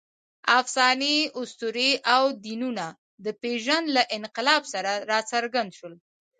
افسانې، اسطورې او دینونه د پېژند له انقلاب سره راڅرګند شول.